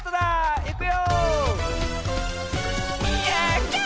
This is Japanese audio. いくよ！